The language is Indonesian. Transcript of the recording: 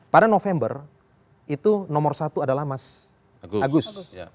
pada november itu nomor satu adalah mas agus